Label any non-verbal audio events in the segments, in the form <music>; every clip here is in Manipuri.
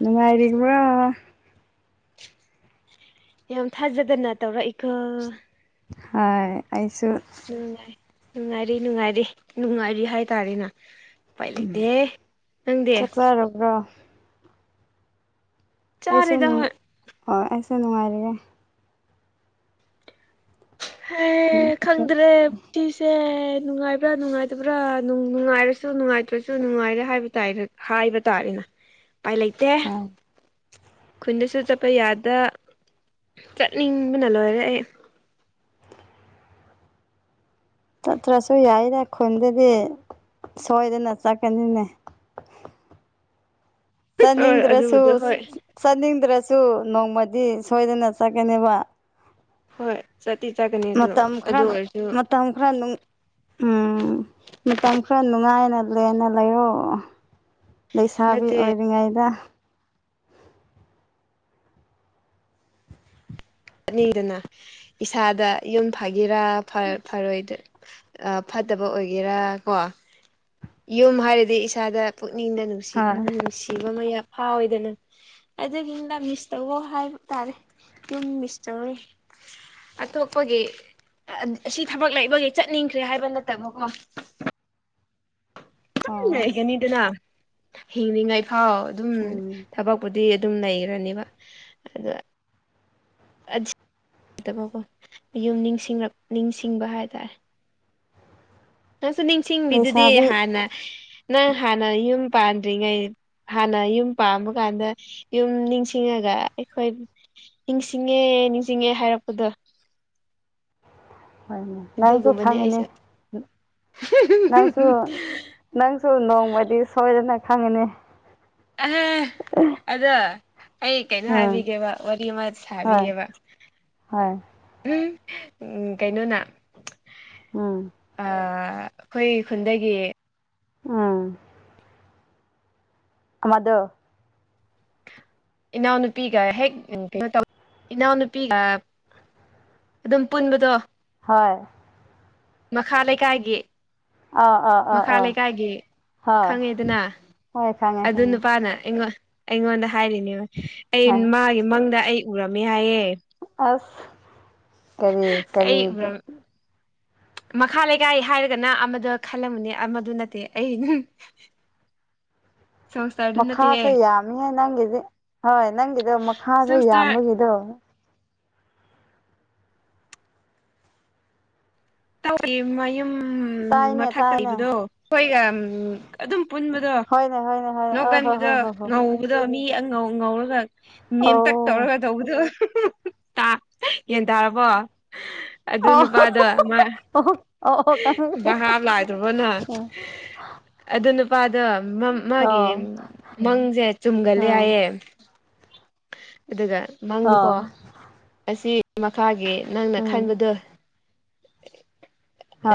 ꯅꯨꯡꯉꯥꯏꯔꯤꯕ꯭ꯔꯣ ꯌꯥꯝ ꯊꯥꯖꯗꯅ ꯇꯧꯔꯛꯏꯀꯣ ꯍꯥꯏ ꯑꯩ ꯅꯨꯡꯉꯥꯏ ꯅꯨꯡꯉꯥꯏꯔꯤ ꯅꯨꯡꯉꯥꯏꯔꯤ ꯅꯨꯡꯉꯥꯏꯔꯤ ꯍꯥꯏꯇꯥꯔꯦꯅ ꯎꯄꯥꯏ ꯂꯩꯇꯦꯍꯦ ꯅꯪꯗꯤ ꯆꯥꯛ ꯆꯥꯔꯕ꯭ꯔꯣ ꯑꯩꯁꯨ ꯆꯔꯦꯗ ꯅꯨꯡ ꯍꯣꯏ ꯍꯣꯏ ꯑꯩꯁꯨ ꯅꯨꯡꯉꯥꯏꯔꯤꯌꯦ ꯍꯥꯏ ꯎꯝ ꯈꯪꯗ꯭ꯔꯦ ꯄꯨꯟꯆꯤꯁꯦ ꯑꯦ ꯅꯨꯡꯉꯥꯏꯕ꯭ꯔꯥ ꯅꯨꯡꯉꯥꯏꯇꯕ꯭ꯔꯥ ꯅꯨꯡꯉꯥꯏꯔꯁꯨ ꯅꯨꯡꯉꯥꯏꯇ꯭ꯔꯁꯨ ꯅꯨꯡꯉꯥꯏꯔꯦ ꯍꯥꯏꯕ ꯇꯥꯏ ꯍꯥꯏꯕ ꯇꯥꯏ ꯑꯗꯨꯅ ꯎꯄꯥꯏ ꯂꯩꯇꯦ ꯍꯣꯏ ꯈꯨꯟꯗꯁꯨ ꯆꯠꯄ ꯆꯠꯄ ꯌꯥꯗ ꯆꯠꯅꯤꯡꯕꯅ ꯂꯣꯏꯔꯦ ꯑꯩ ꯆꯠꯇ꯭ꯔꯁꯨ ꯌꯥꯏꯗ ꯈꯨꯟꯗꯨꯗꯤ ꯁꯣꯏꯗꯅ ꯆꯠꯀꯅꯤꯅꯦ <inaudible> ꯍꯣꯏ ꯆꯠꯅꯤꯡꯗ꯭ꯔꯁꯨ ꯑꯗꯨꯕꯨꯗꯤ ꯍꯣꯏ ꯆꯠꯅꯤꯡꯗ꯭ꯔꯁꯨ ꯁꯨ ꯅꯣꯡꯃꯗꯤ ꯁꯣꯏꯗꯅ ꯆꯠꯀꯅꯤꯕ ꯍꯣꯏ ꯆꯠꯇꯤ ꯆꯠꯀꯅꯤ ꯑꯗꯨ ꯃꯇꯝ ꯈꯔ ꯑꯗꯨ ꯑꯣꯏꯔꯁꯨ ꯃꯇꯝ ꯈꯔ ꯅꯨꯡ ꯎꯝ ꯃꯇꯝ ꯈꯔ ꯅꯨꯡꯉꯥꯏ ꯈꯔ ꯂꯦꯝꯅ ꯂꯩꯌꯣ ꯂꯩꯁꯥꯕꯤ ꯅꯠꯇꯦ ꯑꯣꯏꯔꯤꯉꯩꯗ ꯑꯅꯤꯗꯨꯅ ꯏꯁꯥꯗ ꯌꯨꯝ ꯐꯥꯒꯤꯔ ꯐꯔꯣꯢ ꯐꯔꯣꯏꯗꯣꯏꯔ ꯗꯕ ꯑꯣꯏꯒꯦꯔꯥ ꯀꯣ ꯌꯨꯝ ꯍꯥꯏꯔꯗꯤ ꯏꯁꯥꯗ ꯄꯨꯛꯅꯤꯡꯅ ꯅꯨꯡꯁꯤ ꯍꯣꯏ ꯅꯨꯡꯁꯤꯕ ꯑꯃ ꯑꯥꯎꯏ ꯍꯥꯎꯋꯦꯗꯅ ꯑꯗꯨꯒꯤꯅ ꯃꯤꯁ ꯇꯧꯋꯣ ꯍꯥꯏꯕ ꯇꯥꯔꯦ ꯌꯨꯝ ꯃꯤꯁꯇꯧꯔꯦ ꯑꯇꯣꯞꯄꯒꯤ ꯑꯁꯤ ꯊꯕꯛ ꯂꯩꯕꯒꯤ ꯆꯠꯅꯤꯡꯈ꯭ꯔꯦ ꯍꯥꯏꯕ ꯅꯠꯇꯕꯀꯣ ꯑꯗꯨꯝ ꯑꯣ ꯂꯩꯒꯅꯤꯗꯅ ꯍꯤꯡꯂꯤꯉꯩ ꯐꯥꯎ ꯑꯗꯨꯝ ꯎꯝ ꯊꯕꯛꯄꯨꯗꯤ ꯗꯤ ꯑꯗꯨꯝ ꯂꯩꯈ꯭ꯔꯅꯤꯕ ꯑꯗꯨꯗ ꯑꯗꯨ ꯅꯠꯇꯕꯀꯣ ꯌꯨꯝ ꯅꯤꯡꯁꯤꯡꯔꯛ ꯅꯤꯡꯁꯤꯡꯕ ꯍꯥꯏꯇꯥꯔꯦ ꯅꯪꯁꯨ ꯅꯤꯡꯁꯤꯡꯂꯤꯗꯨꯗꯤ ꯂꯩꯁꯥꯕꯤ ꯍꯥꯟꯅ ꯅꯪ ꯍꯥꯟꯅ ꯌꯨꯝ ꯄꯥꯟꯗ꯭ꯔꯤꯉꯩ ꯍꯥꯟꯅ ꯌꯨꯝ ꯄꯥꯟꯕ ꯀꯥꯟꯗ ꯌꯨꯝ ꯅꯤꯡꯁꯤꯡꯉꯒ ꯑꯩꯈꯣꯏ ꯅꯤꯡꯁꯤꯡꯉꯦ ꯅꯤꯡꯁꯤꯡꯉꯦ ꯍꯥꯏꯔꯛꯄꯗꯣ ꯍꯣꯏꯅꯦ ꯅꯪꯁꯨ ꯑꯗꯨꯒꯨꯝꯕꯅꯦ ꯈꯪꯒꯅꯤ ꯑꯩꯁꯨ ꯅꯪꯁꯨ ꯅꯪꯁꯨ ꯅꯣꯡꯃꯗꯤ ꯁꯣꯏꯗꯅ ꯈꯪꯒꯅꯤ ꯑꯔꯦ ꯑꯗꯣ ꯑꯩ ꯀꯩꯅꯣ ꯎꯝ ꯍꯥꯏꯕꯤꯒꯦꯕ ꯋꯥꯔꯤ ꯑꯃ ꯍꯣꯏ ꯁꯥꯕꯤꯒꯦꯕ ꯍꯣꯏ ꯎꯝ ꯎꯝ ꯀꯩꯅꯣꯅ ꯎꯝ ꯑꯩꯈꯣꯏ ꯈꯨꯟꯗꯒꯤ ꯎꯝ ꯑꯃꯗꯣ ꯏꯅꯥꯎ ꯅꯨꯄꯤꯒ ꯍꯦꯛ ꯏꯅꯥꯎꯅꯄꯤꯒ ꯑꯗꯨꯝ ꯄꯨꯟꯕꯗꯣ ꯍꯣꯏ ꯃꯈꯥ ꯂꯩꯀꯥꯏꯒꯤ ꯑꯥ ꯑꯥ ꯑꯥ ꯃꯈꯥ ꯑꯥ ꯂꯩꯀꯥꯏꯒꯤ ꯍꯣꯏ ꯈꯪꯉꯦꯗꯅ ꯍꯣꯏ ꯈꯪꯉꯦ ꯑꯗꯨ ꯈꯪꯉꯦ ꯅꯨꯄꯥꯅ ꯑꯩꯉꯣꯟ ꯑꯩꯉꯣꯟꯗ ꯍꯥꯏꯔꯤꯅꯦ ꯑꯩ ꯍꯣꯏ ꯃꯥꯒꯤ ꯃꯪꯗ ꯑꯩ ꯎꯔꯝꯃꯦ ꯍꯥꯏꯌꯦ ꯑꯁ ꯀꯔꯤ ꯑꯩ ꯀꯔꯤꯒꯤ ꯎꯔꯝ ꯃꯈꯥ ꯂꯩꯀꯥꯏ ꯍꯥꯏꯔꯒꯅ ꯑꯃꯗ ꯈꯜꯂꯝꯃꯅꯦ ꯑꯃꯗꯨ ꯅꯠꯇꯦ ꯑꯩ <inaudible> ꯁꯪꯁꯇꯔꯗꯨ ꯅꯠꯇꯦꯍꯦ ꯃꯈꯥꯁꯨ ꯌꯥꯝꯃꯤꯍꯦ ꯅꯪꯒꯤꯗꯤ ꯍꯣꯏ ꯅꯪꯒꯤꯗꯣ ꯃꯈꯥꯁꯨ ꯁꯪꯁꯇꯔ ꯌꯥꯝꯕꯒꯤꯗꯣ ꯇꯧꯒꯤ ꯃꯌꯨꯝ ꯇꯥꯏꯅꯦ ꯃꯊꯛ ꯇ ꯇꯥꯏꯅꯦ ꯂꯩꯕꯗꯣ ꯑꯩꯈꯣꯏꯒ ꯑꯗꯨꯝ ꯄꯨꯟꯕꯗꯣ ꯍꯣꯏꯅꯦ ꯍꯣꯏꯅꯦ ꯍꯣꯏꯅꯦ ꯑ ꯍꯣ ꯍꯣ ꯅꯣꯛꯒꯟꯕꯗ ꯍꯣ ꯍꯣ ꯉꯧꯕꯗꯣ ꯃꯤ ꯑꯉꯧ ꯉꯧꯔꯒ ꯅꯦꯝꯇꯛ ꯑꯧ ꯇꯧꯔꯒ ꯇꯧꯕꯗꯣ <unintelligible> ꯇꯥ ꯌꯦꯟꯇꯥꯔꯕꯣ ꯑꯗꯨ ꯑꯣ ꯅꯨꯄꯥꯗꯣ ꯃꯥ ꯑꯣ ꯑꯣ ꯚꯥꯞ ꯂꯥꯛꯇ꯭ꯔꯕꯣ ꯅꯪ ꯈꯪꯉꯦ <unintelligible> ꯑꯗꯨ ꯅꯨꯄꯥꯗꯣ ꯃꯥꯒꯤ ꯑꯣ ꯃꯪꯁꯦ ꯆꯨꯝꯒꯜꯂꯦ ꯑꯥ ꯍꯥꯏꯌꯦ ꯑꯗꯨꯒ ꯃꯪꯗꯨꯀꯣ ꯑꯣ ꯑꯁꯤ ꯃꯈꯥꯒꯤ ꯅꯪꯅ ꯎꯝ ꯈꯟꯕꯗꯣ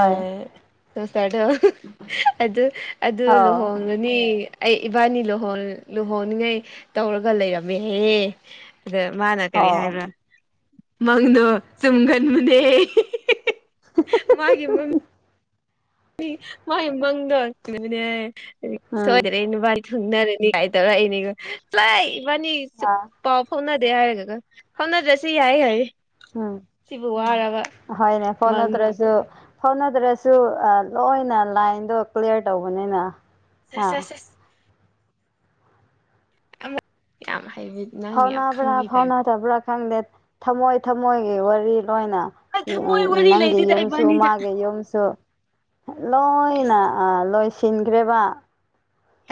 ꯑ ꯁꯣꯁꯔꯗꯣ ꯑꯗꯨ ꯑꯗꯨ ꯑꯧ ꯂꯨꯍꯣꯡꯉꯅꯤ ꯑꯩ ꯏꯕꯥꯟꯅꯤ ꯂꯨꯍꯣꯡ ꯂꯨꯍꯣꯡꯅꯤꯡꯉꯥꯏ ꯇꯧꯔꯒ ꯂꯩꯔꯝꯃꯦ ꯍꯥꯢꯑꯦ ꯗꯨ ꯃꯥꯅ ꯀꯔꯤ ꯑꯧ ꯍꯥꯏꯕ꯭ꯔꯥ ꯃꯪꯗꯣ ꯆꯨꯝꯒꯟꯕꯅꯦ ꯃꯥꯒꯤ ꯃꯪ ꯃꯥꯏ ꯃꯪꯗꯣ ꯆꯨꯝꯒꯟꯕꯅꯦ ꯍꯥꯢꯌꯦ ꯎꯝ ꯁꯣꯢꯗꯔꯦ ꯅꯣꯢꯕꯥ ꯊꯨꯡꯅꯔꯅꯤ ꯀꯥꯏ ꯇꯧꯔꯛꯏꯅꯤꯒꯣ ꯆꯣꯢ ꯏꯕꯥꯅꯤ ꯑꯥ ꯄꯥꯎ ꯐꯥꯎꯅ ꯗꯦ ꯍꯥꯢꯔꯒ ꯀꯣ ꯐꯥꯎꯅꯗ꯭ꯔꯁꯨ ꯌꯥꯏ ꯍꯥꯏꯌꯦ ꯎꯝ ꯁꯤꯕꯨ ꯋꯥꯔꯕ ꯍꯣꯏꯅꯦ ꯃꯪꯗꯨꯕꯨ ꯐꯣꯟꯅꯠꯇ꯭ꯔꯁꯨ ꯐꯣꯟꯅ ꯗ꯭ꯔꯁꯨ ꯑ ꯂꯣꯏꯅ ꯂꯥꯏꯟꯗꯣ ꯀ꯭ꯂꯤꯌꯥꯔ ꯇꯧꯕꯅꯤꯅ ꯍꯥ ꯁꯦꯁ ꯁꯦꯁ ꯑꯃ ꯌꯥꯝ ꯍꯩꯕꯤ ꯅꯪ ꯌꯥꯝ ꯐꯥꯎꯅꯥꯕ꯭ꯔꯥ ꯈꯪꯕꯩ ꯇꯥꯏꯞꯇ ꯐꯥꯎꯅꯥꯗꯕ꯭ꯔꯥ ꯈꯪꯗꯦ ꯊꯝꯃꯣꯏ ꯊꯝꯃꯣꯏꯒꯤ ꯋꯥꯔꯤ ꯂꯣꯏꯅ ꯑꯩ ꯊꯃꯣꯏ ꯋꯥꯔꯤ ꯅꯪꯒꯤ ꯂꯩꯇꯦꯗ ꯌꯨꯝꯁꯨ ꯏꯕꯥꯅꯤꯗ ꯃꯥꯒꯤ ꯌꯨꯝꯁꯨ ꯂꯣꯏꯅ ꯑꯁ ꯑ ꯂꯣꯏ ꯁꯤꯟꯈ꯭ꯔꯦꯕ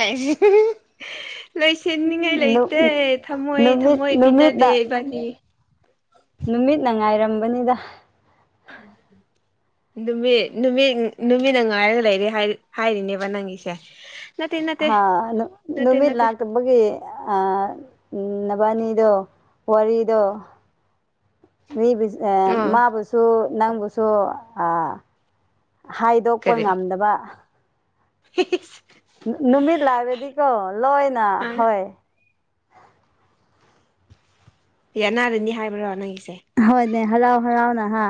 ꯍꯥꯏꯁꯦ <unintelligible> ꯂꯣꯏꯁꯤꯟꯅꯤꯉꯥꯏ ꯅꯨ ꯂꯩꯇꯦ ꯊꯝꯃꯣꯏ ꯅꯨꯃꯤꯠ ꯊꯝꯃꯣꯏ ꯄꯤꯅꯗꯦ ꯅꯨꯃꯤꯠꯅ ꯏꯕꯥꯅꯤ ꯅꯨꯃꯤꯠꯅ ꯉꯥꯏꯔꯝꯕꯅꯤꯗ <unintelligible> ꯅꯨꯃꯤꯠ ꯅꯨꯃꯤꯠ ꯅꯨꯃꯤꯠꯅ ꯉꯥꯏꯔꯒ ꯂꯩꯔꯦ ꯍꯥꯢꯔ ꯍꯥꯏꯔꯤꯅꯦꯕ ꯅꯪꯒꯤꯁꯦ ꯅꯠꯇꯦ ꯅꯠꯇꯦ ꯍꯥ ꯅꯨ ꯅꯠꯇꯦ ꯅꯨꯃꯤꯠ ꯅꯠꯇꯦ ꯂꯥꯛꯇꯕꯒꯤ ꯑ ꯅꯕꯥꯟꯅꯤ ꯗꯣ ꯋꯥꯔꯤꯗꯣ ꯃꯤꯕꯨ ꯑ ꯑꯥ ꯃꯥꯕꯨꯁꯨ ꯅꯪꯕꯨꯁꯨ ꯍꯥꯏꯗꯣꯛꯄ ꯉꯝꯗꯕ ꯍꯦꯍꯦꯁ ꯅꯨꯃꯤꯠ ꯂꯥꯛꯂꯗꯤꯀꯣ ꯂꯣꯏꯅ ꯍꯣꯏ <unintelligible> ꯍꯥꯏꯕ꯭ꯔꯣ ꯅꯪꯒꯤꯁꯦ ꯅꯦ ꯍꯔꯥꯎ ꯍꯔꯥꯎꯅ ꯍꯥ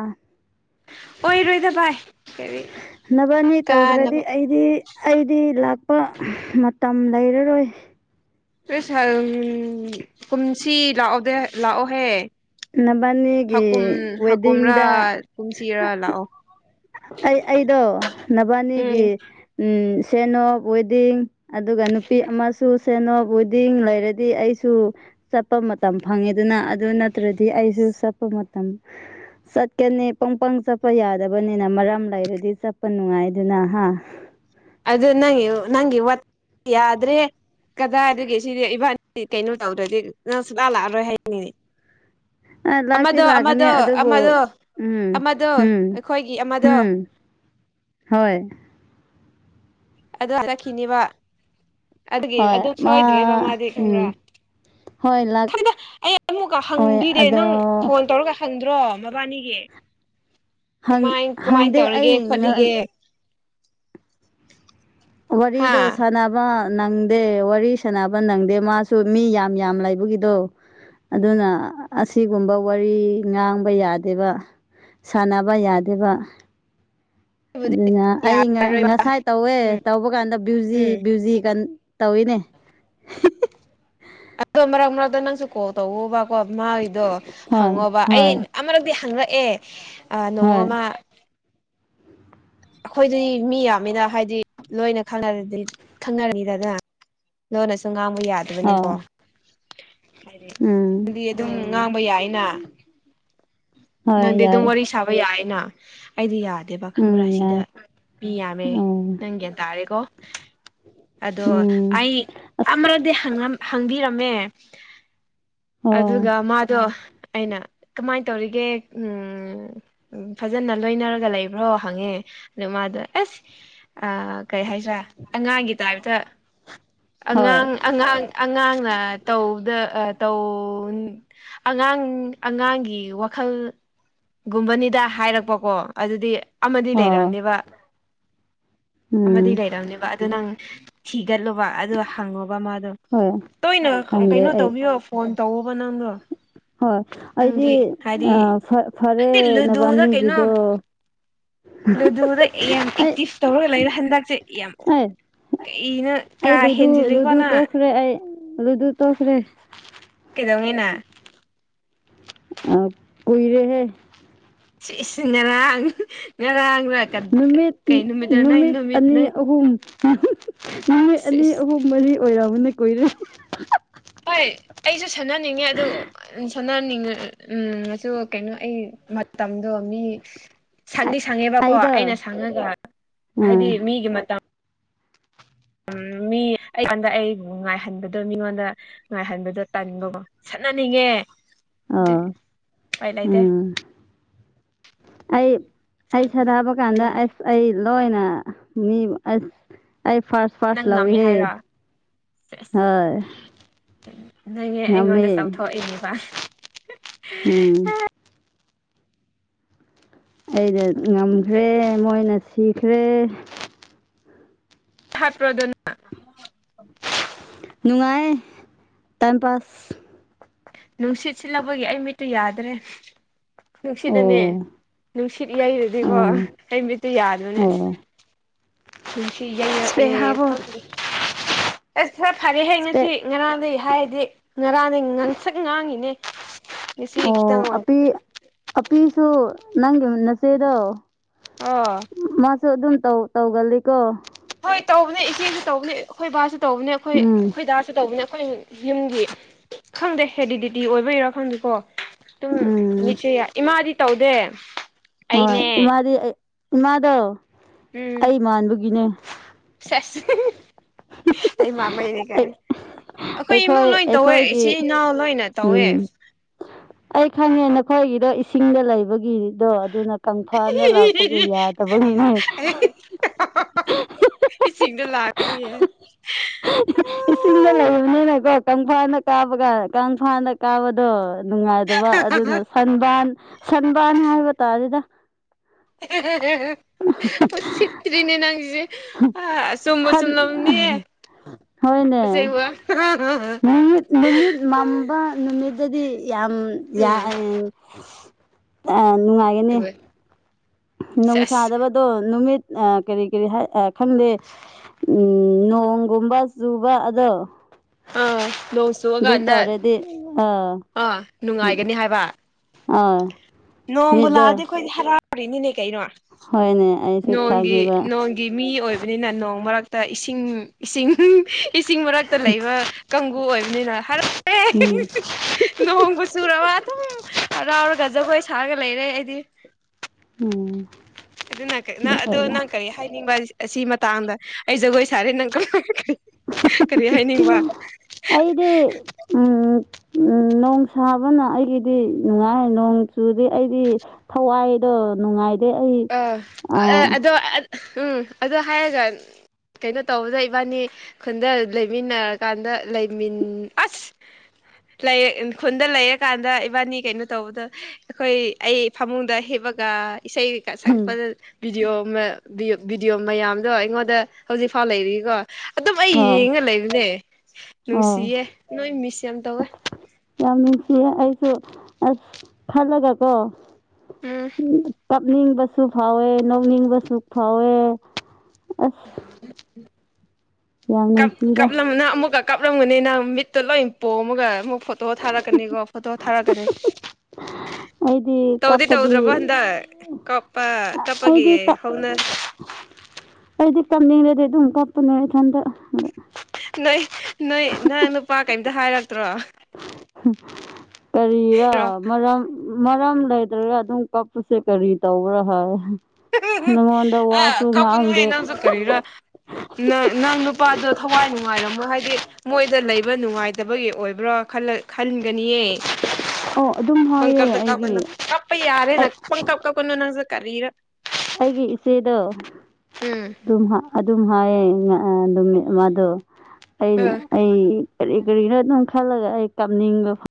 ꯑꯣꯏꯔꯣꯏꯗ ꯚꯥꯏ ꯀꯔꯤ ꯅꯕꯥꯟꯅꯤ ꯇꯧꯗ꯭ꯔꯗꯤ ꯀꯥꯅꯕ ꯑꯩꯗꯤ ꯑꯩꯗꯤ ꯂꯥꯛꯄ ꯃꯇꯝ ꯂꯩꯔꯔꯣꯏ <unintelligible> ꯀꯨꯝꯁꯤ ꯂꯥꯛꯑꯣꯗꯦ ꯂꯥꯛꯑꯣꯍꯦ ꯅꯕꯅꯤꯒꯤ ꯍꯀꯨꯝ ꯍꯀꯨꯝꯔꯥ ꯋꯦꯗꯤꯡꯗ ꯀꯨꯝꯁꯤꯔꯥ ꯂꯥꯛꯑꯣ ꯑꯩ ꯑꯩꯗꯣ ꯎꯝ ꯅꯕꯥꯅꯤꯒꯤ ꯎꯝ ꯁꯦꯅꯣꯞ ꯋꯦꯗꯤꯡ ꯑꯗꯨꯒ ꯅꯨꯄꯤ ꯑꯃꯁꯨ ꯁꯦꯅꯣꯞ ꯋꯦꯗꯤꯡ ꯂꯩꯔꯗꯤ ꯑꯩꯁꯨ ꯆꯠꯄ ꯃꯇꯝ ꯐꯪꯉꯦꯗꯅ ꯑꯗꯨ ꯅꯠꯇ꯭ꯔꯗꯤ ꯑꯩꯁꯨ ꯆꯠꯄ ꯃꯇꯝ ꯆꯠꯀꯅꯦ ꯄꯪ ꯄꯪ ꯆꯠꯄ ꯌꯥꯗꯕ ꯗꯨꯅꯤꯅ ꯃꯔꯝ ꯂꯩꯔꯗꯤ ꯆꯠꯄ ꯅꯨꯡꯉꯥꯏꯗꯅ ꯍꯥ ꯑꯗꯨ ꯅꯪꯪꯒꯤ ꯅꯪꯒꯤ ꯋꯥꯠ ꯌꯥꯗ꯭ꯔꯦꯍꯦ ꯀꯗꯥꯏꯗꯒꯤ ꯁꯤꯗꯤ ꯏꯕꯥꯅꯤꯗꯤ ꯀꯩꯅꯣ ꯇꯧꯗ꯭ꯔꯗꯤ ꯅꯪ ꯁꯨꯂꯥꯛ ꯂꯥꯛꯑꯔꯣꯏ ꯍꯥꯏꯕꯅꯤꯅꯦ ꯑꯥ ꯂꯥꯛꯇꯤ ꯑꯃꯗꯣ ꯂꯥꯛꯀꯅꯤ ꯑꯃꯗꯣ ꯑꯗꯨꯕꯨ ꯑꯃꯗꯣ ꯎꯝ ꯑꯃꯗꯣ ꯍꯨꯝ ꯑꯩꯈꯣꯏꯒꯤ ꯑꯃꯗꯣ ꯍꯨꯝ ꯍꯣꯏ ꯑꯗꯨ ꯆꯠꯈꯤꯅꯤꯕ ꯑꯗꯨꯒꯤ ꯍꯣꯏ ꯑꯗꯨ ꯃꯥ ꯁꯣꯏꯗ꯭ꯔꯦꯕ ꯃꯥꯗꯤ ꯈꯪꯕ꯭ꯔꯥ ꯎꯝ ꯍꯣꯏ ꯂꯥꯛ ꯈꯪꯗꯦ ꯑꯩ ꯑꯃꯨꯛꯀ ꯍꯣꯏ ꯍꯪꯕꯤꯔꯦ ꯑꯗꯣ ꯅꯪ ꯐꯣꯟ ꯇꯧꯔꯒ ꯍꯪ ꯇ꯭ꯔꯣ ꯃꯕꯥꯅꯤꯒꯤ ꯍꯪ ꯀꯃꯥꯏ ꯀꯃꯥꯏꯅ ꯍꯪꯗꯦ ꯇꯧꯔꯤꯒꯦ ꯑꯩ ꯉ ꯈꯣꯠꯂꯤꯒꯦ ꯍꯥ ꯋꯥꯔꯤꯗꯣ ꯁꯥꯟꯅꯕ ꯅꯪꯗꯦ ꯋꯥꯔꯤ ꯁꯥꯟꯅꯕ ꯅꯪꯗꯦ ꯃꯥꯁꯨ ꯃꯤ ꯌꯥꯝ ꯌꯥꯝ ꯂꯩꯕꯒꯤꯗꯣ ꯑꯗꯨꯅ ꯑꯁꯤꯒꯨꯝꯕ ꯋꯥꯔꯤ ꯉꯥꯡꯕ ꯌꯥꯗꯦꯕ ꯁꯥꯟꯅꯕ ꯌꯥꯗꯦꯕ ꯑꯗꯨꯕꯨꯗꯤ ꯑꯗꯨꯅ ꯑꯩ ꯉꯥ ꯌꯥꯔꯔꯣꯏꯕ ꯉꯁꯥꯏ ꯇꯧꯋꯦ ꯎꯝ ꯇꯧꯕ ꯀꯥꯟꯗ ꯕ꯭ꯌꯨꯖꯤ ꯎꯝ ꯕ꯭ꯌꯨꯖꯤ ꯀꯟ ꯇꯧꯋꯤꯅꯦ ꯍꯤ ꯍꯤ ꯑꯗꯣ ꯃꯔꯛ ꯃꯔꯛꯇ ꯅꯪꯁꯨ ꯀꯣꯜ ꯇꯧꯑꯣꯕ ꯀꯣ ꯃꯏꯗꯣ ꯍꯣꯏ ꯍꯪꯉꯣꯕ ꯑꯩ ꯍꯣꯏ ꯑꯃꯔꯛꯇꯤ ꯍꯪꯂꯛꯑꯦ ꯑꯥ ꯍꯣꯏ ꯅꯣꯡꯑꯃ ꯑꯩꯈꯣꯏꯗꯤ ꯃꯤ ꯌꯥꯝꯃꯤꯗ ꯍꯥꯏꯗꯤ ꯂꯣꯏꯅ ꯈꯪꯅꯗꯤ ꯈꯪꯅꯔꯅꯤꯗꯅ ꯂꯣꯟꯅꯁꯨ ꯉꯥꯡꯕ ꯌꯥꯗꯕꯅꯤꯀꯣ ꯑꯣ ꯎꯝ ꯑꯗꯨꯗꯤ ꯑꯗꯨꯝ ꯉꯥꯡꯕ ꯌꯥꯏꯅ ꯍꯣꯏ ꯅꯪꯗꯤ ꯑꯗꯨꯝ ꯌꯥꯏ ꯋꯥꯔꯤ ꯁꯥꯕ ꯌꯥꯏꯅ ꯑꯩꯗꯤ ꯌꯥꯗꯦ ꯗꯦꯕ ꯈꯪꯕ꯭ꯔꯥ ꯎꯝ ꯁꯤꯗ ꯌꯥꯏ ꯃꯤ ꯌꯥꯝꯃꯦ ꯑꯣ ꯅꯪ ꯒ꯭ꯌꯥꯟ ꯇꯥꯔꯦꯀꯣ ꯑꯗꯣ ꯎꯝ ꯑꯩ ꯑꯁ ꯑꯃꯔꯛꯗꯤ ꯍꯪꯉꯝ ꯍꯪꯕꯤꯔꯝꯃꯦ ꯑꯣ ꯑꯗꯨꯒ ꯃꯥꯗꯣ ꯑꯩꯅ ꯀꯃꯥꯏꯅ ꯇꯧꯔꯤꯒꯦ ꯎꯝ ꯎꯝ ꯐꯖꯅ ꯂꯣꯏꯅꯔꯒ ꯂꯩꯕ꯭ꯔꯣ ꯍꯪꯉꯦ ꯑꯗꯨ ꯃꯥꯗꯣ ꯑꯦꯁ ꯑꯥ ꯀꯩ ꯍꯥꯏꯁꯤ ꯇ꯭ꯔ ꯑꯉꯥꯡꯒꯤ ꯇꯥꯏꯞꯇ <inaudible> ꯍꯣꯏ ꯑꯉꯥꯡ ꯑꯉꯥꯡ ꯑꯉꯥꯡꯅ ꯇꯧꯕꯗ ꯑꯥ ꯇꯧ ꯑꯉꯥꯡ ꯑꯉꯥꯡꯒꯤ ꯋꯥꯈꯜ ꯒꯨꯝꯕꯅꯤꯗ ꯍꯥꯏꯔꯛꯄꯀꯣ ꯑꯗꯨꯗꯤ ꯑꯃꯗꯤ ꯑꯣ ꯂꯩꯔꯝꯅꯤꯕ ꯑꯃꯗꯤ ꯎꯝ ꯂꯩꯔꯝꯅꯤꯕ ꯑꯗꯨ ꯅꯪ ꯊꯤ ꯒꯠꯂꯨꯕ ꯑꯗꯨ ꯍꯪꯉꯣꯕ ꯃꯥꯗꯣ ꯍꯣꯏ ꯇꯣꯏꯅ ꯍꯪꯒꯦ ꯀꯩꯅꯣ ꯑꯩ ꯇꯧꯕꯤꯌꯣ ꯐꯣꯟ ꯇꯧꯑꯣꯕ ꯅꯪꯗꯣ ꯍꯣꯏ ꯑꯩꯗꯤ ꯅꯪꯗꯤ ꯑꯥ ꯍꯥꯏꯗꯤ ꯐ ꯐꯔꯦ ꯅꯪꯗꯤ ꯂꯨꯗꯨꯗ ꯅꯕꯥꯅꯤꯒꯤꯗꯣ ꯀꯩꯅꯣ ꯂꯨꯗꯨꯗ ꯑꯦꯝ ꯑꯩ ꯏꯛꯇꯤꯁ ꯇꯧꯔꯒ ꯂꯩꯔꯦ ꯍꯟꯗꯛꯁꯦ ꯑꯦꯝ ꯑꯩ ꯀꯩꯅꯣ ꯀꯥ ꯍꯦꯟꯖꯤꯜꯂꯤꯀꯣ ꯅꯪ ꯑꯗꯨ ꯑꯗꯨ ꯇꯣꯛꯈ꯭ꯔꯦ ꯀꯩꯗꯧꯅꯤ ꯅꯪ ꯑ ꯀꯨꯏꯔꯦꯍꯦ ꯁꯤꯁ ꯉꯔꯥꯡ ꯉꯔꯥꯡꯔ ꯅꯨꯃꯤꯠ ꯀꯩ ꯅꯨꯃꯤꯠꯇ ꯅꯪ ꯅꯨꯃꯤꯠ ꯑꯅꯤ ꯅꯪ ꯑꯍꯨꯝ ꯅꯨꯃꯤꯠ ꯑꯅꯤ ꯑꯅꯤ ꯁꯤꯁ ꯑꯍꯨꯝ ꯃꯔꯤ ꯑꯣꯏꯔꯕꯅ ꯀꯨꯏꯔꯦ ꯍꯣꯏ ꯑꯩꯁꯨ ꯁꯥꯟꯅꯅꯤꯡꯉꯦ ꯑꯗꯨ ꯁꯅꯥꯅꯤꯡ ꯎ ꯑꯗꯨ ꯀꯩꯅꯣ ꯑꯩ ꯃꯇꯝ ꯑꯗꯣ ꯃꯤ ꯁꯪꯗꯤ ꯁꯪꯉꯦꯕꯀꯣ ꯑꯩꯗꯣ ꯑꯩꯅ ꯁꯪꯉꯒ ꯍꯥꯏꯗꯤ ꯎꯝ ꯃꯤꯒꯤ ꯃꯇꯝ ꯎꯝ ꯃꯤ ꯑꯩꯉꯣꯟꯗ ꯑꯩ ꯉꯥꯏꯍꯟꯕꯗꯣ ꯃꯤꯉꯣꯟꯗ ꯉꯥꯏꯍꯟꯕꯗꯣ ꯇꯟꯕꯒꯣ ꯆꯠꯅꯅꯤꯡꯉꯦ ꯑꯗꯨ ꯑꯣ ꯎꯄꯥ ꯂꯩꯇꯦ ꯎꯝ ꯑꯩ ꯑꯩ ꯁꯪꯗꯦ ꯁꯥꯟꯅꯕ ꯀꯥꯟꯗ ꯎꯝ ꯑꯁ ꯑꯩ ꯂꯣꯏꯅ ꯃꯤ ꯑꯁ ꯑꯩ ꯐꯥꯔꯥꯁ ꯅꯪ ꯐꯁ ꯂꯥꯎꯏ ꯉꯝꯃꯦ ꯍꯦ ꯍꯥꯏꯔꯣ ꯁꯦꯁ ꯍꯣꯏ ꯅꯪꯅꯦ ꯉꯝꯃꯦ ꯑꯩꯉꯣꯟꯗ ꯆꯥꯝꯊꯣꯛꯏꯅꯦꯕ ꯎꯝ ꯑꯩꯗ ꯉꯝꯈ꯭ꯔꯦ ꯃꯣꯏꯅ ꯁꯤꯈ꯭ꯔꯦ ꯑꯗꯨꯅ ꯅꯨꯡꯉꯥꯏ ꯇꯥꯏꯝ ꯄꯥꯁ ꯅꯨꯡꯁꯤꯠ ꯁꯤꯠꯂꯕꯒꯤ ꯑꯩ ꯃꯤꯠꯇꯨ ꯌꯥꯗ꯭ꯔꯦ ꯅꯨꯡꯁꯤꯠ ꯑꯅꯦ ꯑꯣ ꯅꯨꯡꯁꯤꯠ ꯌꯩꯔꯗꯤꯀꯣ ꯑꯣ ꯑꯩ ꯃꯤꯠꯇꯨ ꯌꯥꯗ꯭ꯔꯅꯦ ꯑꯁ ꯑꯣ ꯅꯨꯡꯁꯤ ꯏꯁꯄꯦꯛ ꯌꯩꯔꯛꯑꯦ ꯍꯥꯞꯄꯣ ꯈꯪ ꯑꯁ ꯈꯔ ꯐꯔꯦꯍꯦ ꯉꯁꯤ ꯏꯁꯄꯦꯛ ꯉꯔꯥꯡꯗꯩ ꯍꯥꯏꯔꯗꯤ ꯉꯔꯥꯡꯗꯒꯤ ꯉꯥꯡꯁꯛ ꯉꯥꯡꯉꯤꯅꯦ ꯉꯁꯤ ꯑꯣ ꯈꯤꯇꯪ ꯑꯣꯏ ꯑꯄꯤ ꯑꯄꯤꯁꯨ ꯅꯪꯒꯤ ꯅꯆꯦꯗꯣ ꯑꯣ ꯁꯨ ꯑꯗꯨꯝ ꯇꯧꯒꯜꯂꯤꯀꯣ ꯍꯣꯏ ꯇꯧꯕꯅꯦ ꯏꯆꯦꯁꯨ ꯇꯧꯕꯅꯦ ꯑꯩꯈꯣꯏ ꯕꯥꯁꯨ ꯇꯧꯕꯅꯦ ꯑꯩꯈꯣꯏ ꯎꯝ ꯑꯩꯈꯣꯏ ꯗꯥꯁꯨ ꯇꯧꯕꯅꯦ ꯑꯩꯈꯣꯏ ꯌꯨꯝꯒꯤ ꯈꯪꯗꯦ ꯍꯦꯗꯤꯗꯤꯇꯤ ꯑꯣꯏꯕꯒꯤꯔꯥ ꯈꯪꯗꯦꯀꯣ ꯑꯗꯨꯝ ꯎꯝ ꯃꯤꯆꯦ ꯏꯃꯥꯗꯤ ꯇꯧꯗꯦ ꯍꯣꯏ ꯑꯩꯅꯦ ꯏꯃꯥꯗꯤ ꯏꯃꯥꯗꯣ ꯎꯝ ꯑꯩ ꯃꯥꯟꯕꯒꯤꯅꯦ ꯆꯁ <unintelligible> ꯑꯩ ꯃꯥꯟꯕꯩꯅꯦ ꯀꯥꯏ ꯑꯩ ꯑꯩꯈꯣꯏ ꯏꯃꯨꯡ ꯂꯣꯏꯅ ꯇꯧꯋꯦ ꯏꯆꯤꯜ ꯏꯅꯥꯎ ꯂꯣꯏꯅ ꯇꯧꯋꯦ ꯎꯝ ꯑꯩ ꯈꯪꯉꯦ ꯅꯈꯣꯏꯒꯤꯗꯣ ꯏꯁꯤꯡꯗ ꯂꯩꯕꯒꯤ ꯗꯣ ꯑꯗꯨꯅ ꯀꯪꯐꯥꯜꯗ ꯂꯥꯛꯄꯒꯤ ꯌꯥꯗꯕꯒꯤꯅꯦ ꯏꯁꯤꯡꯗ ꯂꯥꯛꯇꯕꯒꯤ ꯀꯪꯐꯥꯜꯗ ꯀꯥꯕ ꯀꯥꯟꯗ ꯀꯪꯐꯥꯜꯗ ꯀꯥꯕꯗꯣ ꯅꯨꯡꯉꯥꯏꯇꯕ ꯑꯗꯨꯅ ꯁꯟꯕꯥꯟ ꯁꯟꯕꯥꯥꯟ ꯍꯥꯏꯕ ꯇꯥꯔꯦꯗ <unintelligible> ꯎꯁꯤꯠꯇꯔꯤꯅꯦ ꯅꯪꯒꯤꯁꯦ ꯁꯟ ꯍꯣꯏꯅꯦ ꯑꯁꯦꯡꯕ ꯅꯨꯃꯤꯠ ꯅꯨꯃꯤꯠ ꯃꯝꯕ ꯅꯨꯃꯤꯠ ꯑꯗꯨꯗꯗꯤ ꯌꯥꯝ ꯌꯥꯏ ꯑꯥ ꯅꯨꯡꯉꯥꯏꯒꯅꯤ ꯁꯦꯁ ꯅꯨꯡꯁꯥꯗꯕꯗꯣ ꯅꯨꯃꯤꯠ ꯑꯥ ꯀꯔꯤ ꯀꯔꯤ ꯈꯪꯗꯦ ꯅꯣꯡꯒꯨꯝꯕ ꯆꯨꯕ <unintelligible> ꯑꯥ ꯅꯣꯡ ꯆꯨꯕ ꯑꯗꯨ ꯀꯥꯟꯗ ꯇꯧꯔꯗꯤ ꯑꯥ ꯑꯥ ꯅꯨꯡꯉꯥꯏꯒꯅꯤ ꯍꯥꯏꯕ ꯑꯥ ꯅꯣꯡꯕꯨ ꯃꯤꯠꯗꯣ ꯂꯥꯛꯑꯗꯤ ꯑꯩꯈꯣꯏ ꯈꯥꯔꯥꯎ ꯇꯅꯤꯅꯦ ꯀꯩꯅꯣ ꯍꯣꯏꯅꯦ ꯑꯩꯁꯨ ꯅꯣꯡꯒꯤ ꯈꯪꯉꯦꯕ ꯅꯣꯡꯒꯤ ꯃꯤ ꯑꯣꯏꯕꯅꯤꯅ ꯅꯣꯡ ꯃꯔꯛ ꯇꯥ ꯏꯁꯤꯡ ꯏꯁꯤꯡ ꯏꯁꯤꯡ ꯃꯔꯛꯇ ꯂꯩꯌꯨ ꯀꯥꯡꯒꯨ ꯑꯣꯏꯕꯅꯤꯅ ꯍꯔꯦ ꯎꯝ ꯅꯣꯡꯕꯨ ꯆꯨꯔꯕ ꯑꯗꯨꯝ ꯍꯔꯥꯎꯔꯒ ꯖꯒꯣꯏ ꯁꯥꯔꯒ ꯂꯩꯔꯦ ꯑꯩꯗꯤ ꯎꯝ ꯑꯗꯨ ꯀ ꯅꯪ ꯑꯗꯣ ꯀꯔꯤ ꯍꯥꯏꯅꯤꯡꯕ ꯑꯁꯤ ꯃꯇꯥꯡꯗ ꯑꯩ ꯖꯒꯣꯏ ꯁꯥꯔꯦ ꯅꯪ ꯀ ꯑꯩꯗꯤ ꯎꯝ ꯎꯝ ꯅꯣꯡ ꯁꯥꯕꯅ ꯑꯩꯒꯤꯗꯤ ꯅꯨꯡꯉꯥꯏ ꯅꯣꯡ ꯆꯨꯗꯤ ꯑꯩꯗꯤ ꯊꯋꯥꯏ ꯗꯣ ꯅꯨꯡꯉꯥꯏ ꯑꯥ ꯑꯗꯨ ꯎꯝ ꯑꯗꯨ ꯍꯥꯏꯔꯒ ꯀꯩꯅꯣ ꯇꯧꯕꯗ ꯏꯕꯥꯅꯤ ꯈꯨꯟꯗ ꯂꯩꯃꯤꯟꯅꯔꯀꯥꯟꯗ ꯂꯩꯃꯤꯟ ꯑꯁ ꯂꯩ ꯈꯨꯟꯗ ꯂꯩꯔꯀꯥꯟꯗ ꯏꯕꯥꯅꯤ ꯀꯩꯅꯣ ꯇꯧꯕꯗ ꯑꯩꯈꯣꯏ ꯑꯩ ꯐꯃꯨꯡꯗ ꯍꯤꯞꯄ ꯗꯨꯒ ꯏꯁꯩ ꯎꯝ ꯁꯛꯄ ꯚꯗꯤꯑꯣ ꯚꯗꯤꯑꯣ ꯃꯌꯥꯝꯗꯣ ꯑꯩꯉꯣꯟꯗ ꯍꯧꯖꯤꯛꯐꯥꯎ ꯂꯩꯔꯤꯀꯣ ꯑꯗꯨꯝ ꯑꯩ ꯑꯥ ꯌꯦꯡꯉ ꯂꯩꯕꯅꯦ ꯑꯥ ꯅꯨꯡꯁꯤꯌꯦ ꯅꯣꯏ ꯃꯤꯁ ꯌꯥꯝ ꯇꯧꯋꯦ ꯌꯥꯝ ꯅꯨꯡꯁꯤꯌꯦ ꯑꯩꯁꯨ ꯑꯁ ꯈꯜꯂꯒ ꯀꯣ ꯎꯝ ꯎ ꯀꯞꯅꯤꯡꯕꯁꯨ ꯐꯥꯎꯋꯦ ꯅꯣꯛꯅꯤꯡꯕꯁꯨ ꯐꯥꯎꯋꯦ ꯑꯁ ꯌꯥꯝ ꯀꯄ ꯅꯨꯡꯁꯤꯗ ꯀꯞꯂꯝꯅ ꯑꯃꯨꯛꯀ ꯀꯥꯞꯂꯝꯒꯅꯤ ꯅꯪ ꯃꯤꯠꯇꯨ ꯂꯣꯏ ꯄꯣꯝꯃꯒ ꯑꯃꯨꯛ ꯐꯣ ꯇꯣ ꯊꯥꯔꯛꯀꯅꯤꯒꯣ ꯐꯣꯇꯣ ꯊꯥꯔꯛꯀꯅꯤ ꯑꯩꯗꯤ ꯇꯧꯗꯤ ꯀꯞꯄꯗꯤ ꯇꯧꯗ꯭ꯔꯕꯣ ꯍꯟꯗꯛ ꯀꯞꯄ ꯀꯄꯒꯤ ꯑꯩꯗꯤ ꯀꯞ ꯍꯧꯅ ꯑꯩꯗꯤ ꯀꯄꯅꯤꯔꯗꯤ ꯑꯗꯨꯝ ꯀꯞꯄꯅꯦ ꯏꯊꯟꯇ ꯅꯣꯏ ꯅꯣꯏ ꯅꯪ ꯅꯨꯄꯥ ꯀꯩꯝꯇ ꯍꯥꯏꯔꯛꯇ꯭ꯔꯣ ꯀꯔꯤꯔꯥ ꯃꯔꯝ ꯃꯔꯝ ꯂꯩꯇ꯭ꯔꯒ ꯑꯗꯨꯝ ꯀꯞꯄꯁꯦ ꯀꯔꯤ ꯇꯧꯕ꯭ꯔꯥ ꯍꯥꯏ ꯅꯪꯉꯣꯟꯗ ꯑ ꯋꯥꯁꯨ ꯀꯞꯄꯅꯨ ꯍꯦ ꯉꯥꯡꯗꯦ ꯅꯪꯁꯨ ꯀꯔꯤꯔ ꯅꯪ ꯅꯪ ꯅꯨꯄꯥꯗꯣ ꯊꯋꯥꯏ ꯅꯨꯡꯉꯥꯏꯔꯝꯃꯣ ꯍꯥꯏꯗꯤ ꯃꯣꯏꯗ ꯂꯩꯕ ꯅꯨꯡꯉꯥꯏꯇꯕꯒꯤ ꯑꯣꯏꯕ꯭ꯔꯥ ꯈꯂ ꯈꯟꯒꯅꯤꯌꯦ ꯑꯣ ꯑꯗꯨꯝ ꯍꯥꯏꯌꯦ ꯄꯪꯀꯞꯗ ꯑꯩꯒꯤ ꯀꯥꯞꯀꯅꯨ ꯀꯞꯄ ꯌꯥꯔꯦ ꯅ ꯄꯪꯀꯞꯇ ꯀꯅꯣ ꯅꯪꯁꯨ ꯀꯔꯤꯔꯥ ꯑꯩꯒꯤ ꯏꯆꯦꯗꯣ ꯎꯝ ꯑꯗꯨꯝ ꯑꯗꯨꯝ ꯍꯥꯏꯌꯦ ꯅ ꯅꯨꯃꯤꯠ ꯃꯥꯗꯣ ꯑ ꯑꯩꯅ ꯑꯩ ꯀꯔꯤ ꯀꯔꯤꯅꯣ ꯑꯗꯨꯝ ꯈꯜꯂꯒ ꯑꯩ ꯀꯥꯞꯅꯤꯡꯕ